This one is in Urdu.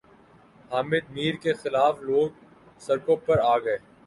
حامد میر کے خلاف لوگ سڑکوں پر آگۓ